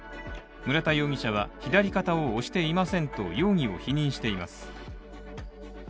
村田容疑者は、左肩を押していませんと容疑を否認しています。